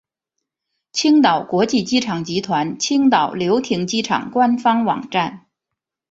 青岛国际机场集团青岛流亭机场官方网站